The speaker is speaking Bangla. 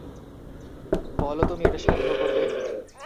বলো তুমি এটা সংগ্রহ করবে!